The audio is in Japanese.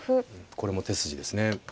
これも手筋ですね。